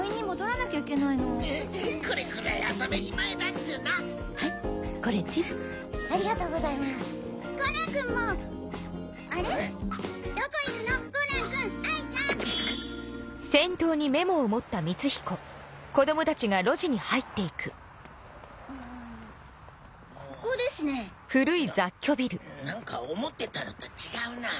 な何か思ってたのと違うな。